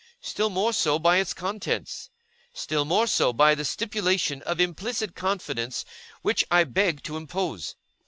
Still more so, by its contents. Still more so, by the stipulation of implicit confidence which I beg to impose.